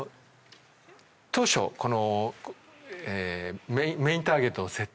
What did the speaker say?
当初この。